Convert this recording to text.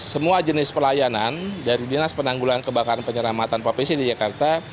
semua jenis pelayanan dari dinas penanggulangan kebakaran dan penyelamatan ppc di jakarta